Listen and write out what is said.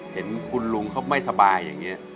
เห็นคุณลุงเขาไม่สบายอย่างนี้